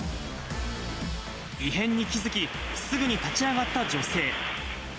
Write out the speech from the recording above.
異変に気付き、すぐに立ち上がった女性。